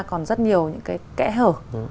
còn rất nhiều những cái kẽ hở